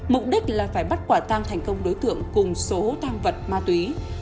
mục đích là phải bắt quả tang thành công đối tượng cùng số tang vật ma túy